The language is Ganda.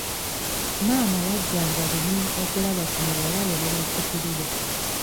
Maama yajjanga lunye okulaba ku muwala we ne bazzukulu be.